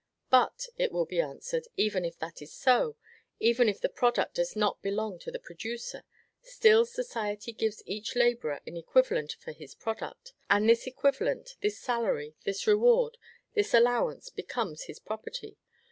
"But," it will be answered, "even if that is so even if the product does not belong to the producer still society gives each laborer an equivalent for his product; and this equivalent, this salary, this reward, this allowance, becomes his property.